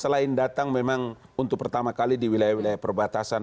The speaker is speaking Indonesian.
selain datang memang untuk pertama kali di wilayah wilayah perbatasan